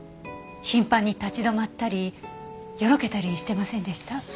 頻繁に立ち止まったりよろけたりしてませんでした？